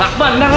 pak bandar lo